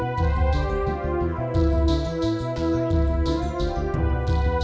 mudah mudahan yang sekarang nggak harus buru buru keluar lagi